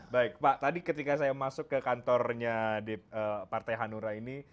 baik pak tadi ketika saya masuk ke kantornya di partai hanura ini